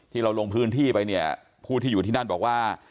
เราลงพื้นที่ไปเนี่ยผู้ที่อยู่ที่นั่นบอกว่า